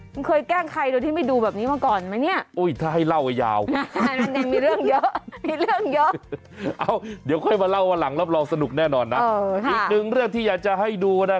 คุณเคยแกล้งใครโดยที่ไม่ดูแบบนี้มาก่อนไหมเนี่ย